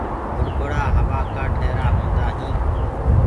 بُڙبُڙآ هوآ ڪآ ٽيرآ هوندآ هينٚ۔